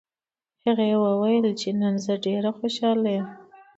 هغې وویل چې نن زه ډېره خوشحاله یم